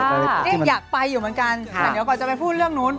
นี่อยากไปอยู่เหมือนกันแต่เดี๋ยวก่อนจะไปพูดเรื่องนู้น